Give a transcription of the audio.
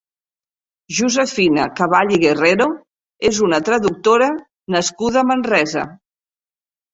Josefina Caball i Guerrero és una traductora nascuda a Manresa.